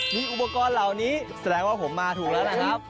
มีอุปกรณ์เหล่านี้แสดงว่าผมมาถูกแล้วล่ะครับ